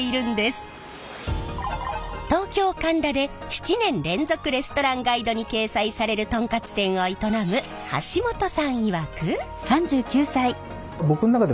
東京・神田で７年連続レストランガイドに掲載されるトンカツ店を営む橋本さんいわく。